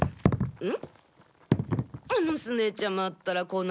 うん？